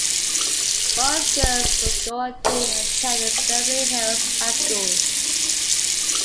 Both girls would go on to attend Beverly Hills High School.